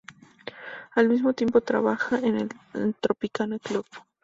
Al mismo tiempo trabajaba en el Tropicana Club.